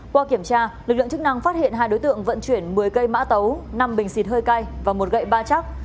qua kiểm tra lực lượng chức năng phát hiện hai đối tượng vận chuyển một mươi cây mã tấu năm bình xịt hơi cay và một gậy ba trắc